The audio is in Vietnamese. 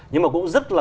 nhưng mà cũng rất là